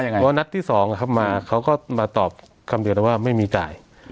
เพราะว่านัดที่๒เขาก็มาตอบคำเดียวว่าไม่มีจ่าย